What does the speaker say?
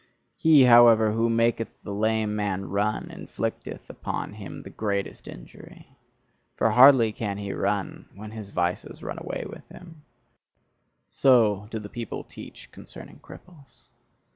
He, however, who maketh the lame man run, inflicteth upon him the greatest injury; for hardly can he run, when his vices run away with him so do the people teach concerning cripples.